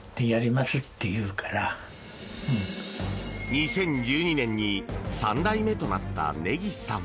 ２０１２年に３代目となった根岸さん。